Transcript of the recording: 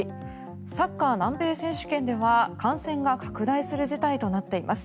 サッカー南米選手権では感染が拡大する事態となっています。